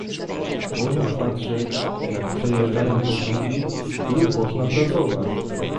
Można patrzeć, jak przejeżdżają pociągi, lub można pracować